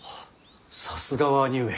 さすがは兄上。